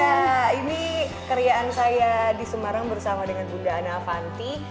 ya ini keriaan saya di semarang bersama dengan bunda ana avanti